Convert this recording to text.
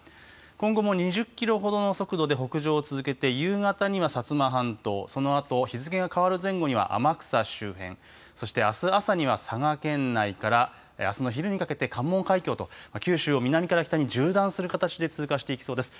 今後も２０キロほどの速度で北上を続けて、夕方には、薩摩半島、そのあと日付が変わる前後には、天草周辺、そして、あす朝には佐賀県内から、あすの昼にかけて、関門海峡と、九州を南から北に縦断する形で通過していきそうです。